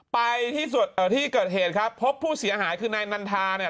ไปที่สุดเอ่อที่เกิดเหตุครับพบผู้เสียหายคือในนันทาเนี่ย